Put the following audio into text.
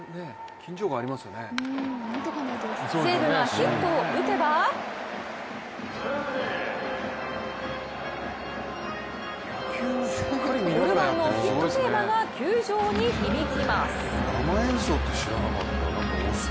西武がヒットを打てばオルガンのヒットテーマが球場に響きます。